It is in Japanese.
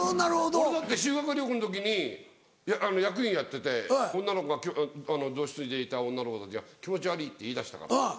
俺だって修学旅行の時に役員やってて教室にいた女の子たちが気持ち悪いって言いだしたから。